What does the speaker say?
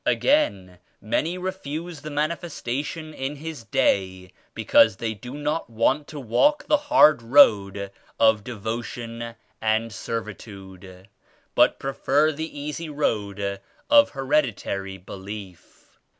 Again many refuse the Manifestation in His Day because they do not want to walk the hard road of devotion and servitude but prefer the easy road of hereditary belief.